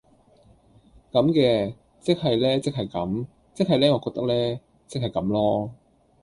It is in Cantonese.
咁嘅，即係呢即係咁，即係呢我覺得呢，即係咁囉